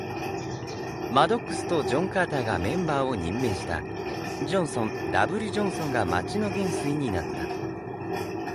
マドックスとジョン・カーターがメンバーを任命した。ジョンソン （W. ジョンソン）が町の元帥になった。